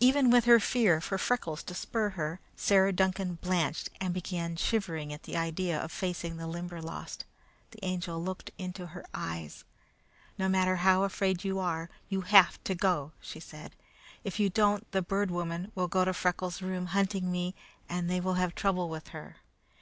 Even with her fear for Freckles to spur her, Sarah Duncan blanched and began shivering at the idea of facing the Limberlost. The Angel looked her in the eyes. "No matter how afraid you are, you have to go," she said. "If you don't the Bird Woman will go to Freckles' room, hunting me, and they will have trouble with her.